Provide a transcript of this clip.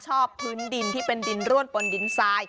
พื้นดินที่เป็นดินร่วนบนดินทราย